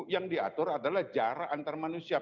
yang diatur adalah jarak antar manusia